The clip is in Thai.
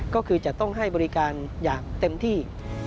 ก็คือจะต้องให้บริการอย่างเต็มที่